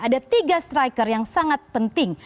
ada tiga striker yang sangat penting